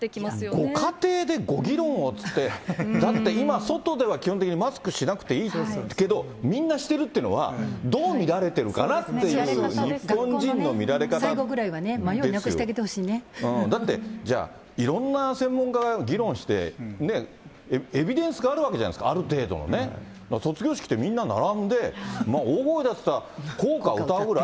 ご家庭でご議論をっていって、だって今、外では基本的にマスクしなくていいけど、みんなしてるっていうのは、どう見られてるかなっていう、最後ぐらいはね、迷いなくしだってじゃあ、いろんな専門家が議論して、ね、エビデンスがあるわけじゃないですか、ある程度のね、卒業式ってみんな並んで、大声出すって、校歌を歌うぐらい？